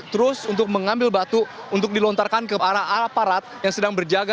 terus untuk mengambil batu untuk dilontarkan ke arah aparat yang sedang berjaga